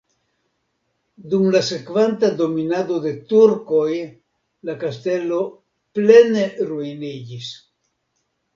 Dum la sekvanta dominado de turkoj la kastelo plene ruiniĝis.